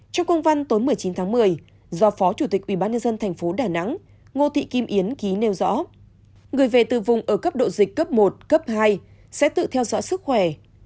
trong công văn tối một mươi chín tháng một mươi do phó chủ tịch ubnd tp đà nẵng ngô thị kim yến ký nêu rõ người về từ vùng ở cấp độ dịch cấp một cấp hai sẽ tự theo dõi sức khỏe